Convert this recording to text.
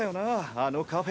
あのカフェ。